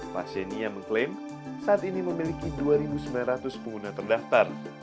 pasien yang mengklaim saat ini memiliki dua sembilan ratus pengguna terdaftar